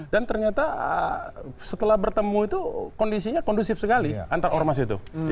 dan ternyata setelah bertemu itu kondisinya kondusif sekali antar ormas itu